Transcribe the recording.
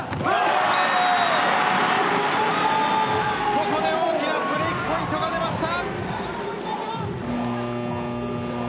ここで大きなブレークポイントが出ました。